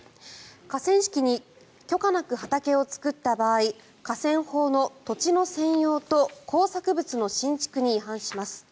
河川敷に許可なく畑を作った場合河川法の、土地の占用と工作物の新築に違反します。